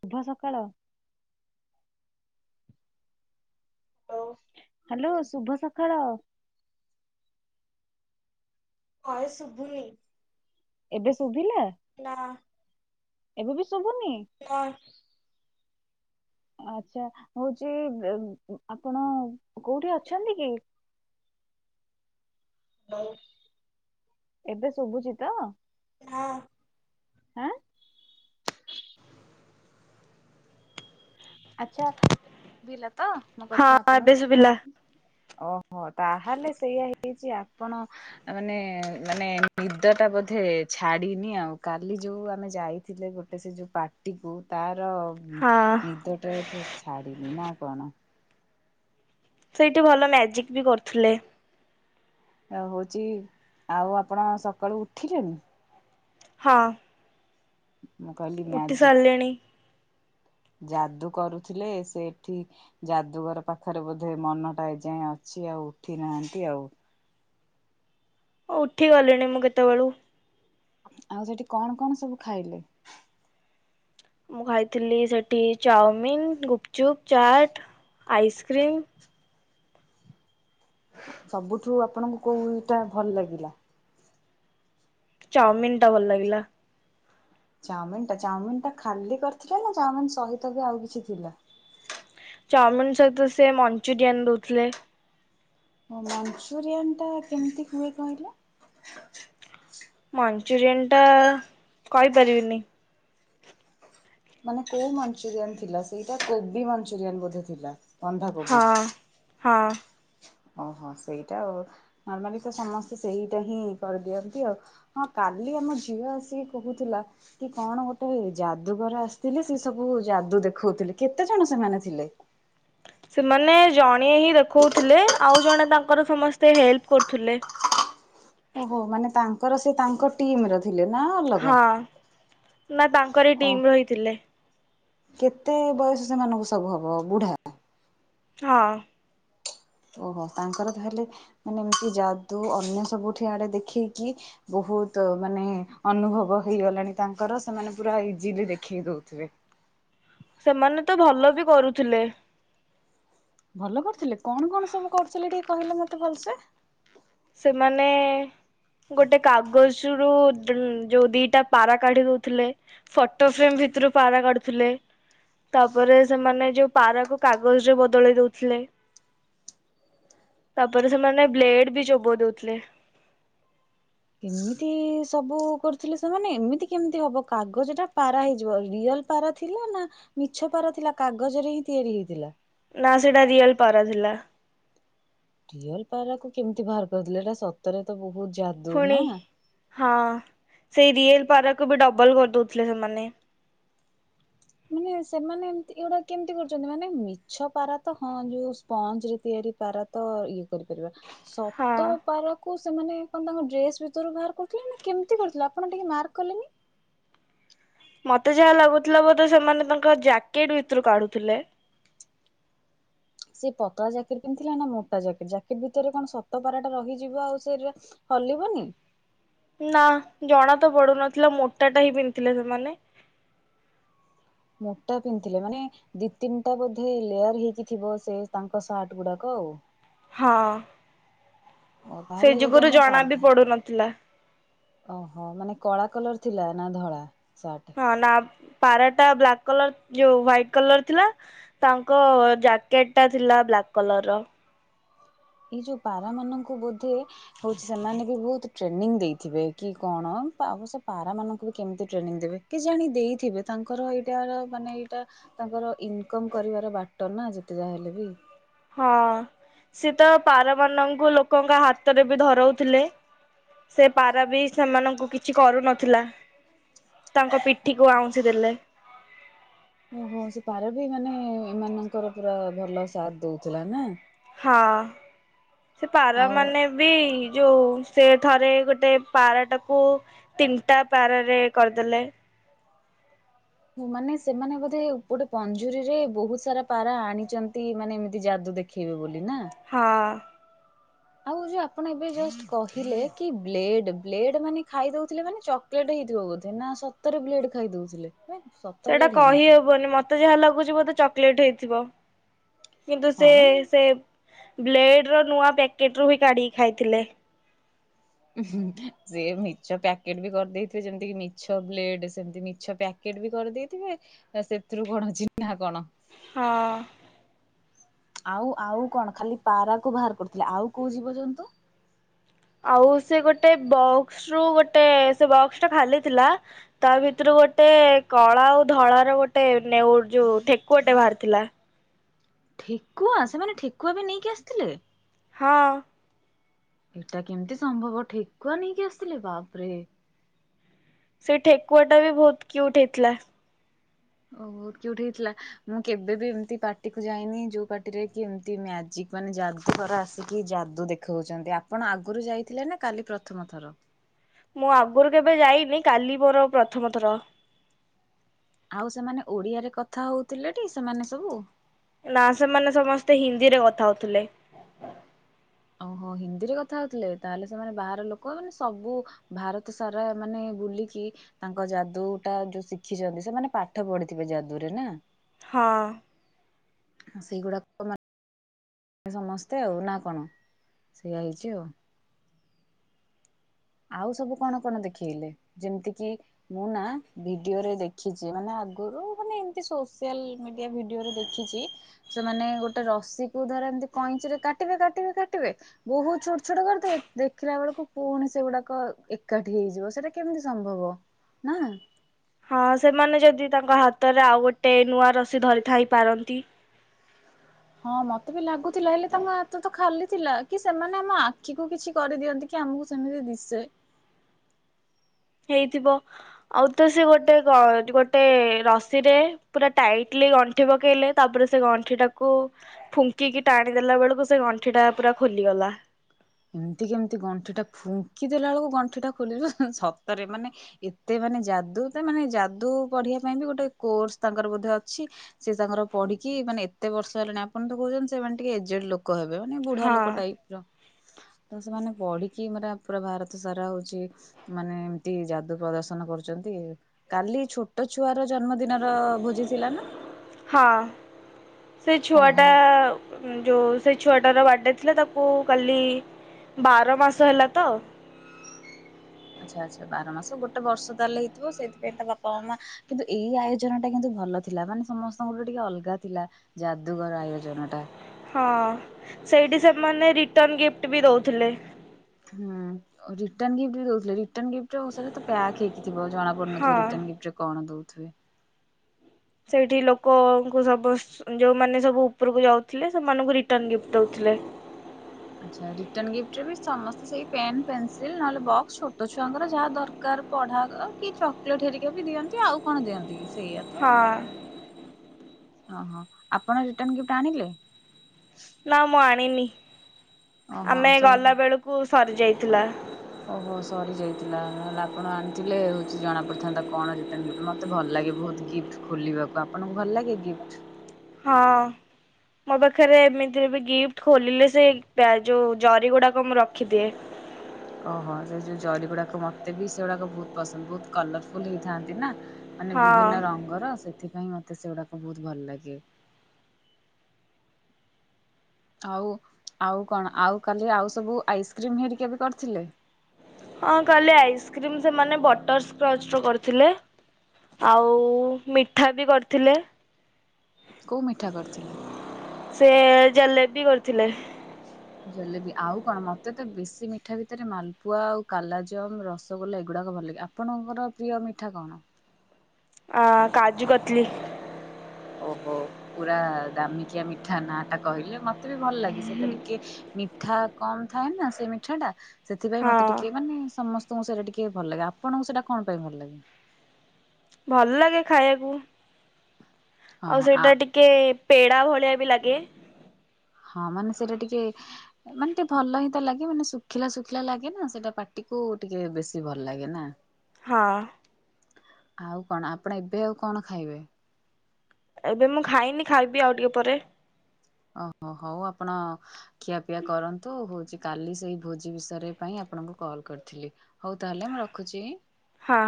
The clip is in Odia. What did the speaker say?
ଶୁଭ ସଖାଳ।। ହ୍ୟାଲୋ। ଶୁଭ ସକାଳ। ହାଏ ଶୁଭୁନି। ଏବେ ସୁବୁ [unintelligible] ଏବେ ବି ଶୁଭୁନି ଆଛା ହଉଛି ବ ବ ଆପଣ କୋଉଠି ଅଛନ୍ତି କି। ହଉ [unintelligible] ଏବେ ଶୁଭୁଛି ତ ହଁ। ଆଁ ଆଚ୍ଛା ବିଲାତ ମୋ ହଁ କଥା ଆପଣ। ଏବେ ଶୁଭିଲା ଓହୋ ତାହେଲେ ସେଇୟା ହେଇଛି ଆପଣ ମାନେ ମାନେ ନିଦ ଟା ବୋଧେ ଛାଡିନି ଆଉ କାଲି ଯୋଉ ଆମେ ଯାଇଥିଲେ ଗୋଟେ ସେ ଯୋଉ ପାର୍ଟିକୁ ତା। ଅ ବ୍ ହଁ ନିଦ ଟା ବୋଧେ ଛାଡିିନି ନା କଣ। ସେଇଠି ଭଲ ଲ୍ୟାଜିକ ବି କରୁ। ଥିଲେ। ଆଉ ହଉଚି ଆଉ ଆପଣ ସକାଳୁ ଉଠିଲେଣି। ହଁ। ମୁ କାଲି ଉଠି ମ୍ୟାଜିକ ସାରିଲିଣି ଯାଦୁ କରୁଥିଲେ ସେଠି ଯାଦୁଗର ପାଖରେ ବୋଧେ ମନଟା ଏ ଯାଏ ଅଛି ଆଉ ଉଠି ନାହାନ୍ତି ଆଉ। ଉଠି ଗ ଲଣି ମୁଁ କେତେବେଳୁ। ଆଉ ସେଠି କଣ କଣ ସବୁ ଖାଇଲେ। ମୁଁ ଖାଇଥିଲି ସେଠି ଚାଉମିିନ ଗୁପଚୁପ ଚାଟ ଆଇସ୍କ୍ରିମ। ସବୁଠୁ ଆପଣଙ୍କୁ କୋଇଟା ଭଲ ଲାଗିଲା। ଚାଉମିିନ ଟା ଭଲ ଲାଗିଲା। ଚାଉମିନ ଟା ଚାଉମିନ ଟା ଖାଲି କରିଥିଲେ ନା ଚାଉମିନ ସହିତ ବି ଆଉ କିଛି ଥିଲା। ଚାଉମିିନ ସହିତ ସେ ମଞ୍ଚୁରିଆନ ଦଉଥିଲେ। ଓ ମଞ୍ଚୁରିଆନ ଟା କେମିତି ହୁଏ କହିଲ। ମଞ୍ଚୁରିଆନ ଟା କହିପାରିବିନି। ମାନେ କୋଉ ମଞ୍ଚୁରିଆନ ଥିଲା ସେଇଟା କୋବି ମଞ୍ଚୁରିଆନ ବୋଧେ ଥିଲା। ବନ୍ଧାକୋବି। ହଁ ହଁ। ଓହୋ ସେଇଟା ଆଉ ନର୍ମାଲି ତ ସମସ୍ତେ ସେଇଟା ହିଁ କରିଦିଅନ୍ତି ଆଉ ହଁ କାଲି ଆମ ଝିଅ ଆସିକି କହୁଥିଲା କି କଣ ଗୋଟେ ଯାଦୁଗର ଆସିଥିଲେ ସେ ସବୁ ଯାଦୁ ଦେଖଉଥିଲେ କେତେ ଜଣ ସେମାନେ ଥିଲେ। ସେମାନେ ଜଣିଏ ହିଁ ଦେଖଉଥିଲେ ଆଉ ଜଣେ ତାଙ୍କର ସମସ୍ତେ ହେଲ୍ପ କରୁଥିଲେ। ଓହୋ ମାନେ ତାଙ୍କର ସେ ତାଙ୍କ ଟିମ ର। ଥିଲେ ନା ଅଲଗା। ହଁ ନା ତାଙ୍କରି ଓ ଟିମ୍ ରହିଥିଲେ। କେତେ ବୟସ ସେମାନଙ୍କୁ ସବୁ ହବ ବୁଢା ହଁ। ଓହୋ ତାଙ୍କର ତାହେଲେ ମାନେ ଏମିତି ଯାଦୁ ଅନ୍ୟ ସବୁଠି ଆଡେ ଦେଖିକି। ବହୁତ ମାନେ ଅନୁଭବ ହେଇଗଲାଣି ତାଙ୍କର ସେମାନେ ପୁରା ଇଜିଲି ଦେଖେଇ ଦଉଥିବେ। ସେମାନେ ତ ଭଲ ବି କରୁଥିଲେ। ଭଲ କରିୁଥିଲେ କଣ କଣ ସବୁ କରୁଥିଲେ। ଟିକେ କହିଲ ମତେ ଭଲସେ। ସେମାନେ। ଗୋଟେ କାଗଜରୁୁ ଦୁର ଯୋଉ ଦି ପାରା କାଢି ଦଉଥିଲେ ଫଟୋ ଫ୍ରେମ ଭିତରୁ ପାରା କାଢୁଥିଲେ। ତାପରେ ସେମାନେ ଯୋଉ ପାରାକୁ କାଗଜରେ ବଦଲେଇ ଦଉଥିଲେ। [inaudible] ତାପରେ ସେମାନେ ବ୍ଲେଡ ବି ଚୋ ବୋ ଦଉଥିଲେ। [inaudible] କେମିତି ସବୁ କରୁଥିଲେ ସେମାନେ ଏମିତି କେମିତି ହବ କାଗଜ ଟା ପାରା ହେଇଯିବ। ରିଅଲ ପାରା ଥିଲା ନା ମିଛ ପାରା ଥିଲା। କାଗଜରେ ହିଁ ତିଆରି ହେଇଥିଲା। ନା ସେଇଟା ରିଅଲ ପାରାଥିଲା। ରିଅଲ ପାରା କୁ କେମିତି ବାହାର କରିଦେଲେ। ଏଇଟା ସତରେ ତ ବହୁତ ଯାଦୁ ପୁଣି ନା। ହଁ ସେଇ ରିଏଲ ପାରକୁ ବି ଡବଲ କରି ଦଉଥିଲେ ସେମାନେ। ମାନେ ସେମାନେ ଏମତି ଏଇଗୁଟା କେମିତି କରୁଛନ୍ତି। ମାନେ ମିଛ ପାରା ତ ହଁ ଯୋଉ ସ୍ପଞ୍ଜ ରେ ତିଆରି ପାରା ତ ଇଏ। କରିପାରିବା। ହଁ ସତ ପାରାକୁ ସେମାନେ କଣ ତାଙ୍କ ଡ୍ରେସ ଭିତରୁ ବାହାର କରୁଥିଲେ। ନା କେମତି କରୁଥିଲେ ଆପଣ ଟିକେ ମାର୍କ କଲେନି। [inaudible] ମତେ ଯାହା ଲାଗୁଥିଲା ବୋଧେ ସେମାନେ ତାଙ୍କ ଜ୍ୟାକେଟ ଭିତରୁ କାଢୁଥିଲେ। ସେ ପତଳା ଜ୍ୟାକେଟ ପିନ୍ଧିଥିଲା ନା ମୋଟା ଜ୍ୟାକେଟ ଜ୍ୟାକେଟ ଭିତରେ କଣ ସତ ପାରା ଟା ରହିଯିବ। ଆଉ ସେଟା ହଲିବନି। ନା ଜଣା ତ ପଢଡୁନଥିଲା ମୋଟା ଟା ହିଁ ପିନ୍ଧଥିଲେ ସେମାନେ। [inaudible] ମୋଟା ପିନ୍ଧଥିଲେ ମାନେ ଦି ତିନିଟା ବୋଧେ ଲେୟାର ହେଇକି ଥିବ। ସେ ତାଙ୍କ ସାର୍ଟ ଗୁଡାକ ଆଉ। ହଁ। ଓ ସେ ତାହେଲେ ଯଦି ଯୁଗରୁ ଆମେ ଜଣା ବି ସାଧ ପଡୁନଥିଲା। [inaudible] ଓହୋ ମାନେ କଳା କଲର ଥିଲା ନା ଧଳା। ସାର୍ଟ ହଁ ନା ପାରା ଟା ବ୍ଲାକ୍ କଲର ଯୋଉ ହ୍ୱାଇଟ କଲର ଥିଲା। ତାଙ୍କ ଜ୍ୟାକେଟ ଟା ଥିଲା ବ୍ଲାକ୍ କଲର ର। ଏଇ ଯୋଉ ପାରା ମାନଙ୍କୁ ବୋଧେ ହଉଛି ସେମାନେ ବି ବହୁତ ଟ୍ରେନିଂ ଦେଇଥିବେ। କି କଣ ଅବଶ୳ ପାରା ମାନଙ୍କୁ ବି କେମିତି ଟ୍ରେନିଂ ଦେବେ କି ଜାଣି ଦେଇଥିବେ। ତାଙ୍କର ଏଇଟାର ମାନେ ଏଇଟା ତାଙ୍କର ଇନକମ କରିବାର ବାଟ ନା ଯେତେ ଯା ହେଲେ ବି। ହଁ ସିଏତ ପାରା ମାନଙ୍କୁ ଲୋକଙ୍କ ହାତରେ ବି ଧରଉଥିଲେ। ସେ ପାରା ବି ସେମାନଙ୍କୁ କିଛି କରୁନଥିଲା। ତାଙ୍କ ପିଠିକୁ ଆଉଁସି ଦେଲେ। [inaudible] ଓହୋ ସେ ପାର ବି ମାନେ ଏମାନଙ୍କର ପୁରା ଭଲ ସାଥ ଦଉଥିଲା ନା। ହଁ। ସେ ପାରା ଆଉ ମାନେ ବି ଯୋଉ ସେ ଥରେ ଗୋଟେ ପାରାଟାକୁ ତିନିଟା ପାରାରେ କରିଦେଲେ। ହ ମାନେ ସେମାନେ ବୋଧେ ଗୋଟେ ପଞ୍ଜୁରୀ ରେ ବହୁତ ସାରା ପାରା ଆଣିଛନ୍ତି। ମାନେ ଏମିତି ଯାଦୁ ଦେଖେଇବେ ବୋଲି। ନା ହଁ। ଆଉ ଯୋଉ ଆପଣ ଏବେ ଜଷ୍ଟ କହିଲେ କି ବ୍ଲେଡ୍ ବ୍ଲେଡ୍ ମାନେ ଖାଇ ଦଉଥିଲେ। ମାନେ ଚକୋଲେଟ ହେଇଥିବ ବୋଧେ ନା ସତରେ ବ୍ଲେଡ ଖାଇ ଦଉଥିଲେ। ସତ ସେଇଟା ବ୍ଲେଡ ହେଇନଥିଲା କହିହବନି ମତେ ଯାହା ଲାଗୁଛି ଚି ବୋଧେ ଚକୋଲେଟ ହେଇଥିବ କିନ୍ତୁ ହଁ ସେ ମାନେ ସେ ବ୍ଲେଡ଼ ର ନୂଆ ପ୍ୟାକେଟ ରୁ କାଢିକି ଖାଇଥିଲେ ସେି ମିଛ ପ୍ୟାକେଟ ବି କରିଦେଇଥିବେ ଯେମିତି କି ମିଛ ବ୍ଲେଡ଼ ସେମତି ମିଛ ପ୍ୟାକେଟ ବି କରିଦେଇଥିବେ ସେଥିରୁ କଣ ଚିହ୍ନା କଣ ହଁ ଆଉ ଆଉ କଣ ଖାଲି ପାରା କ ବାହାର କରୁଥିଲେ ଆଉ କୋଉ ଯିବ ଜନ୍ତୁ ଆଉ ସେ ଗୋଟେ ବକ୍ସ ରୁ ଗୋଟେ ସେ ବକ୍ସ ଟା ଖାଲିଥିଲା ତା ଭିତରୁ ଗୋଟେ କଳା ଆଉ ଧଳାାର ଗୋଟେ ନେଉ ଯୋଉ ଠେକୁଆଟେ ବାହାରିଥିଲା। ଠେକୁଆ ସେମାନେ ଠେକୁଆ ବି ନେଇକି ଆସିଥିଲେ ହଁ ଏଇଟା କେମିତି ସମ୍ଭବ ଠେକୁଆ ନେଇକି ଆସିଥିଲେ ବାପରେ ସେଇ ଠେକୁଆ ଟା ବି ବହୁତ କିଉଟୁ ହେଇଥିଲା। ଓ କି ଗୋଠି ହେଇଥିଲା ମୁଁ କେବେ ବି ଏମିତି ପାର୍ଟିକୁ ଯାଇନି ଯୋଉ ପାର୍ଟିରେ କି ଏମତି ମଜିକ ମାନେ ଯାଦୁ ଘର ଆସିକି ଯାଦୁ ଦେଖଉଛନ୍ତି। ଆପଣ ଆଗରୁ ଯାଇଥିଲେ ନା କାଲି ପ୍ରଥମ ଥର ମୁଁ ଆଗରୁ କେବେ ଯାଇନି କାଲି ମୋର ପ୍ରଥମ ଥର ଆଉ ସେମାନେ ଓଡ଼ିଆରେ କଥା ହଉଥିଲେ ଟି ସେମାନେ ସବୁ ନା ସେମାନେ ସମସ୍ତେ ହିନ୍ଦୀରେ କଥା ହଉଥିଲେ। ଓହୋ ହିନ୍ଦୀରେ କଥା ହଉଥିଲେ ତାହେଲେ ସେମାନେ ବାହାର ଲୋକ ମାନେ ସବୁ ଭାରତ ସାରା ମାନେ ବୁଲିକି ତାଙ୍କ ଯାଦୁ ଟା ଯୋଉ ଶିଖିଛନ୍ତି ସେମାନେ ପାଠ ପଢ଼ିଥିବେ ଯାଦୁରେ ନା। ହଁ। ସେଇଗୁଡ଼ାକ ମାନ ସମସ୍ତେ ଆଉ ନା କଣ ସେଇୟଆ ହେଇଛି ଆଉ। ଆଉ ସବୁ କଣ କଣ ଦେଖେଇଲେ। ଯେମିତି କି ମୁଁ ନା ଭିଡ଼ିଓରେ ଦେଖିଛି ମାନେ ଆଗରୁ ମାନେ ଏମତି ସୋସିଆଲ ମିଡିଆ ଭିଡିଓରେ ଦେଖିଛି ସେମାନେ ଗୋଟେ ରସିକୁ ଧର ଏମିତି କଇଁଚ ରେ କାଟିବେ କାଟିବେ କାଟିବେ ବହୁତ ଛୋଟ ଛୋଟ କରିଦବେ ଦେଖିଲା ବେଳକୁ ପୁଣି ସେଗୁଡ଼ାକ ଏକାଠି ହେଇଯିବ ସେଟା କେମିତି ସମ୍ଭବ ନା। ହଁ ସେମାନେ ଯଦି ତାଙ୍କ ହାତରେ ଆଉ ଗୋଟେ ଗୋଟେ ନୂଆ ରସିି ଧରିଥାଇ ପାରନ୍ତି ତି। ହଁ ମତେ ବି ଲାଗୁଥିଲା ହେଲେ ତାମ ହାତ ତ ଖାଲି ଥିଲା କି ସେମାନେ ଆମ ଆଖିକୁ କିଛି କରିଦିଅନ୍ତି କି ଆମକୁ ସେମିତି ଦିଶେ। ହେଇଥିବ ଆଉ ତ ସେ ଗୋଟେ ଗୋଟେ ରସିରେ ପୁରା ଟାଇଟଲି ଗଣ୍ଠି ପକେଇଲେ ତାପରେ ସେ ଗଣ୍ଠି ଟାକୁ ଫୁଙ୍କିକି ଟାଣି ଦେଲା ବେଳକୁ ସେ ଗଣ୍ଠି ଟା ପୁରା ଖୋଲିଗଲା। ଏମିତି କି ଏମିତି ଗଣ୍ଠି ଟା ଫୁଙ୍କି ଦେଲା ବେଳକୁ ଗଣ୍ଠି ଟା ଖୋଲଯୁ ସତରେ ମାନେ ଏତେ ମାନେ ଯାଦୁ ତ ମାନେ ଯାଦୁ ପଢିବା ପାଇଁ ବି ଗୋଟେ କୋର୍ସ ତାଙ୍କର ବୋଧେ ଅଛି ସେ ତାଙ୍କର ପଢ଼ିକି ମାନେ ଏତେ ବର୍ଷ ହେଲାଣି ଆପଣ ତ କହୁଛନ୍ତି ସେମାନେ ଟିକେ ଏଜେଡ ଲୋକ। ହ ମାନେ ବୁଢ଼ା ହଁ ଲୋକ ଟାଇପ ର ତ ସେମାନେ ପଢ଼ିକି ମରା ପୁରା ଭାରତ ସାରା ହଉଛି ମାନେ ଏମତି ଯାଦୁ ପ୍ରଦର୍ଶନ କରୁଛନ୍ତି। କାଲି ଛୋଟ ଛୁଆର ଜନ୍ମଦିନର ଭୋଜି ଥିଲା ନା। ହଁ ସେ ଛୁଆ ଟା ଓହୋ ଯଉ ସେ ଛୁଆଟାର ବାର୍ଥଡ଼େ ଥିଲା ତାକୁ କାଲି ବାର ମାସ ହେଲା ତ ଆଚ୍ଛା ଆଚ୍ଛା ବାର ମାସ ଗୋଟେ ବର୍ଷ ତାହେଲେ ହେଇଥିବ ସେଇଥିପାଇଁ ତା ବାପା ମାମା କିନ୍ତୁ ଏଇ ଆୟୋଜନ ଟା କିନ୍ତୁ ଭଲ ଥିଲା ମାନେ ସମସ୍ତଙ୍କ ଗୋଟେ ଟିକେ ଅଲଗା ଥିଲା ଯାଦୁଗର ଆୟୋଜନ ଟା ହଁ ସେଇଠି ସେମାନେ ରଟ ଗି ବି ଦଉଥିଲେ। ହୁଁ ରିଟର୍ନ ଗିଫ୍ଟ ବି ଦଉଥିଲେ ରିଟର୍ନ ଗିପ୍ଟି ରେ ତ ପ୍ୟାକ୍ ହେଇକି ଥିବ। ଜଣାପଡୁଁ ନଥିବ ହଁ। ରିଟର୍ନ ଗିଫ୍ଟି ରେ କଣ ଥିବ। ଆଛା ସେଇଠି ଲୋକଙ୍କୁ ସୁ ଯୋଉମାନେ ସବୁ ଉପରକୁ ଯାଉଥିଲେ ସେମାନଙ୍କୁ ରିଟର୍ଣ ଗିଫ୍ଟ ଦଉଥିଲେ। ଆଛା ରିଟର୍ନ ଗିଫଟି ରେ ବି ସମସ୍ତେ ସେଇ ପେନ, ପେନସ ନହଲେ ବକ୍ସ ଛୋଟ ଛୁଆଙ୍କର ଯାହା ଦରକାର ପଢା କି ଚକୋଲେଟ ହେରିକ ବି ଦିଅନ୍ତି ଆଉ କଣ ଦିଅନ୍ତି। ସେଇଆ ତ ହଁ ଓହୋ ଆପଣ ରିଟର୍ଣ ଗିଫ୍ଟୀ ଆଣିଲେ? ନା ମୁଁ ଆଣନିି ଓହୋ ସ ଯାଇଥିଲା। ଓହୋ ସରି ଯାଇଥିଲା। ଆପଣ ଆଣିଥିଲେ ହଉଛି ଜଣା ପଡିଥାନ୍ତା କଣ ରିଟର୍ନ ଗିଫ୍ଟ ମତେ ଭଲଲାଗେ ବୋହୁତ ଗିଫ୍ଟ ଖୋଲିବାକୁ ଆପଣଙ୍କୁ ଭଲ ଲାଗେ ଗିଫ୍ଟ ହଁ ମୋ ପାଖରେ ଏମିତିରେ ବି ଗିଫ୍ଟ ଖୋଲିଲେ ସେ ଯୋଉ ଜରି ଗୁଡାକ ମୁଁ ରଖିଦିଏ। ଓହୋ ସେ ଯୋଉ ଜରି ଗୁଡାକ ମତେ ବି ସେଗୁଡାକ ବହୁତ ପସନ୍ଦ ବହୁତ କଲରଫୁଲ ହେଇଥାନ୍ତି ନା। ମାନେ ହଁ ବିଭିନ୍ନ ରଙ୍ଗର ଆସେ। ସେଥିପାଇଁ ମତେ ସେଗୁଡାକ ବହୁତ ଭଲ ଲାଗେ। ଆଉ ଆଉ କଣ ଆଉ କାଲି ଆଉ ସବୁ ଆଇସ୍କ୍ରିମ ହେରିକି ବି କରିଥିଲେ। ହଁ କାଲି ଆଇସ୍କ୍ରିମ ସେମାନେ ବଟର ସ୍କଚ୍ ରୁ କରିଥିଲେ ଆଉ ମିଠା ବି କରିଥିଲେ। କୋଉ ମିଠା କରିଥିଲେ। ସେ ଜାଲେବି କରୁଥିଲେ। ଜଲେବି ଆଉ କଣ ମତେ ତ ବେଶୀ ମିଠା ଭିତରେ ମାଲପୁଆ ଆଉ କାଲାଜମ ରସଗୋଲା ଏଇଗୁଡାକ ଭଲ ଲାଗେ ଆପଣଙ୍କର ପ୍ରିୟ ମିଠା କଣ? ଆ କାଜୁ କତଲି ଓ ହୋ ପୁରା ଦାମିକିଆ ମିଠା ନା ଟା କହିଲେ ମତେ ବି ଭଲ ଲାଗେ ସେଟା ଟିକେ ମିଠା କମ ଥାଏ ନା ସେ ମିଠା ଟା ସେଥିପାଇଁ ହଁ ମତେ ଟିକେ ମାନେ ସମସ ତ ସେଇଟା ଟିକେ ଭଲ ଲାଗେ ଆପଣଙ୍କୁ ସେଇଟା କଣ ପାଇଁ ଭଲ ଲାଗେ? ଭଲ ଲାଗେ ଖାଇବାକୁ ହଁ ଆଉ ହଁ ଆ ସେଇଟା ଟିକେ ପେଡା ଭଳିଆ ବି ଲାଗେ। ହଁ ମାନେ ସେଇଟା ଟିକେ ମାନେ ଟିକେ ଭଲ ହିଁ ତା ଲାଗେ ମାନେ ଶୁଖିଲା ଶୁଖିଲା ଲାଗେ ନା ସେଇଟା ପାଟିକୁ ଟିକେ ବେଶୀ ଭଲ ଲାଗେ ନା ହଁ ଆଉ କଣ ଆପଣ ଏବେ ଆଉ କଣ ଖାଇବେ? ଏବେ ମୁଁ ଖାଇନି ଖାଇବି ଆଉ ଟିକେ ପରେ ଓ ହୋ ହଉ ଆପଣ ଖିଆପିଆ କରନ୍ତୁ ହଉଛି କାଲି ସେଇ ଭୋଜି ବିଷୟରେ ପାଇଁ ଆପଣଙ୍କୁ କଲ୍ କରିଥିଲି ହଉ ତା ହେଲେ ମୁଁ ରଖୁଛି। ହଁ